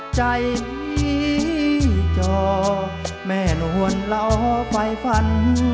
ใจมีจอแม่นวนเราไฟฟัน